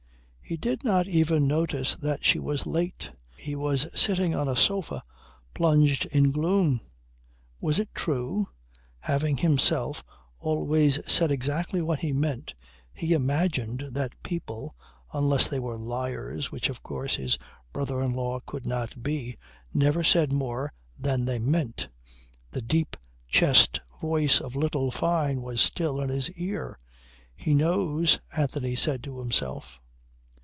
He did not even notice that she was late. He was sitting on a sofa plunged in gloom. Was it true? Having himself always said exactly what he meant he imagined that people (unless they were liars, which of course his brother in law could not be) never said more than they meant. The deep chest voice of little Fyne was still in his ear. "He knows," Anthony said to himself.